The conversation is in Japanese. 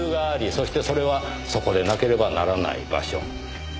そしてそれはそこでなければならない場所。